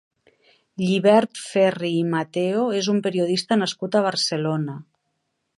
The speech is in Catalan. Llibert Ferri i Mateo és un periodista nascut a Barcelona.